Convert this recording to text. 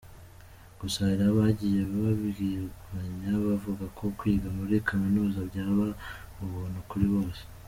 Gusa hari abagiye babirwanya bavuga ko kwiga muri kaminuza byaba ubuntu kuri bose.